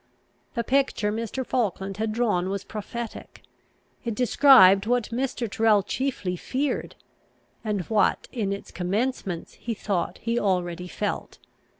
The picture Mr. Falkland had drawn was prophetic. It described what Mr. Tyrrel chiefly feared; and what in its commencements he thought he already felt.